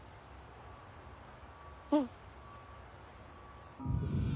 うん。